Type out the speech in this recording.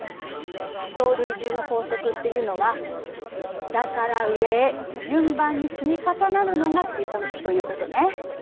「地層累重の法則」っていうのは下から上へ順番に積み重なるのが基本ということね。